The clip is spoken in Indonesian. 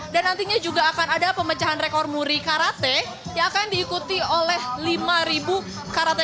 dan nantinya juga akan ada pemecahan rekor muri karate yang akan diikuti oleh lima karate